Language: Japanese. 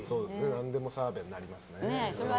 何でも澤部になりますね。